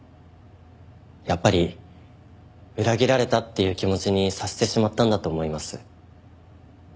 やっぱり裏切られたっていう気持ちにさせてしまったんだと思います。